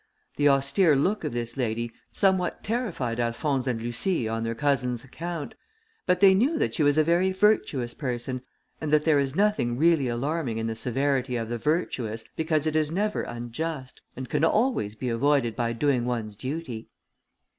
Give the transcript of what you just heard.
The austere look of this lady somewhat terrified Alphonse and Lucie, on their cousin's account, but they knew that she was a very virtuous person, and that there is nothing really alarming in the severity of the virtuous, because it is never unjust, and can always be avoided by doing one's duty.